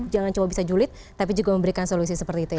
jangan cuma bisa julid tapi juga memberikan solusi seperti itu ya